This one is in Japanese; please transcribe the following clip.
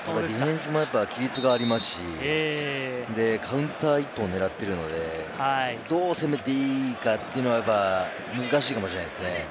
ディフェンスも規律がありますし、カウンター１本狙っているので、どう攻めていいかというのは難しいかもしれないですね。